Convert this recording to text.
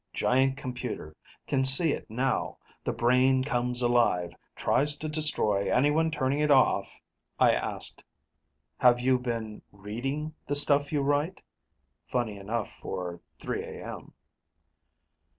"Giant computer ... can see it now: the brain comes alive, tries to destroy anyone turning it off " I asked: "Have you been reading the stuff you write?" Funny enough for 3 A.M.